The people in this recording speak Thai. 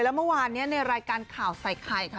แล้วเมื่อวานนี้ในรายการข่าวใส่ไข่ค่ะ